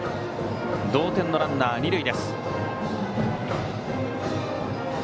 同点のランナーは二塁。